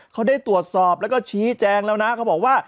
เขาได้ตรวจสอบแล้วก็ชี้แจงแล้วนะเขาบอกว่า